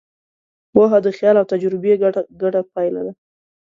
پوهه د خیال او تجربې ګډه پایله ده.